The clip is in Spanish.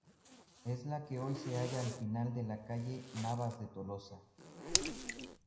Es la que hoy se halla al final de la calle Navas de Tolosa.